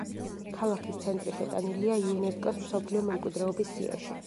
ქალაქის ცენტრი შეტანილია იუნესკო-ს მსოფლიო მემკვიდრეობის სიაში.